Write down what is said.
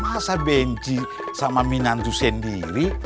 masa benci sama minandu sendiri